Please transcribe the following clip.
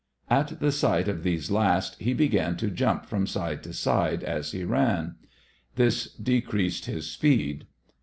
At the sight of these last, he began to jump from side to side as he ran. This decreased his speed.